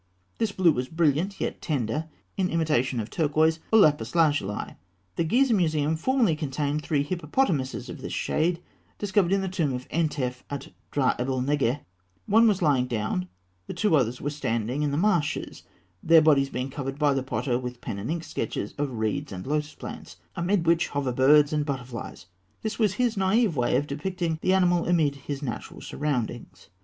This blue was brilliant, yet tender, in imitation of turquoise or lapis lazuli. The Gizeh Museum formerly contained three hippopotamuses of this shade, discovered in the tomb of an Entef at Drah Abû'l Neggeh One was lying down, the two others were standing in the marshes, their bodies being covered by the potter with pen and ink sketches of reeds and lotus plants, amid which hover birds and butterflies (fig. 229). This was his naïve way of depicting the animal amid his natural surroundings.